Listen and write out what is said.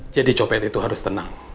jadi copet itu harus tenang